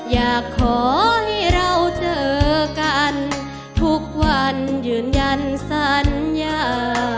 อยากขอให้เราเจอกันทุกวันยืนยันสัญญา